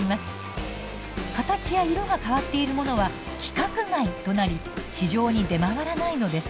形や色が変わっているものは「規格外」となり市場に出回らないのです。